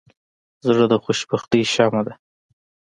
زړه د خوشبینۍ شمعه ده.